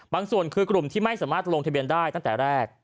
ส่วนคือกลุ่มที่ไม่สามารถลงทะเบียนได้ตั้งแต่แรก